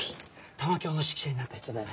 玉響の指揮者になった人だよね？